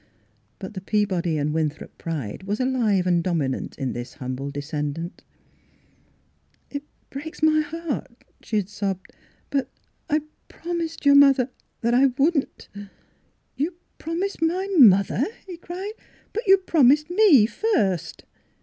But the Peabody and Winthrop pride was alive and dominant in this humble descendant. « It breaks my heart," she had sobbed, ^ Miss Fhilura's Wedding Gown " but I p promised your mother that I — I wouldn't —" "You promised my mother? " he cried. " But you promised me first."